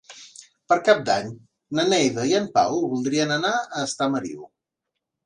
Per Cap d'Any na Neida i en Pau voldrien anar a Estamariu.